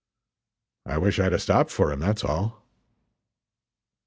"I wish I'd a stopped for him, that's all."